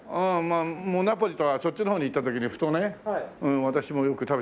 ナポリとかそっちの方に行った時にふとね私もよく食べた。